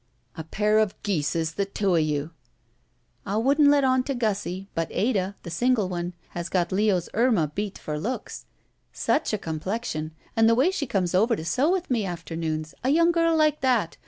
*'A pair of geeses, the two of you!" I wouldn't let on to Gussie, but Ada, the single one, has got Leo's Irma beat for looks. Such a com plexion! And the way she comes over to sew with me afternoons! A young girl like that!